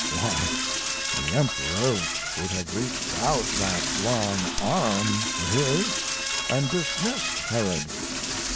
Why, the Emperor would have reached out that long arm of his and dismissed Herod.